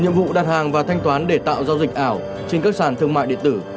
nhiệm vụ đặt hàng và thanh toán để tạo giao dịch ảo trên các sàn thương mại điện tử